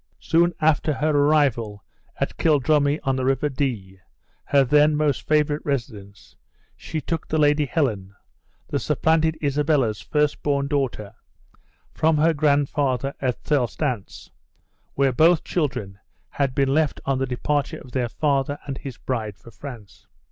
Soon after her arrival at Kildrumy on the River Dee, her then most favorite residence, she took the Lady Helen, the supplanted Isabella's first born daughter, from her grandfather at Thirlestance, where both children had been left on the departure of their father and his bride for France.